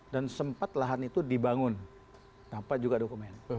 dan sempat lahan itu dibangun tanpa juga dokumen